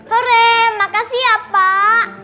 keren makasih ya pak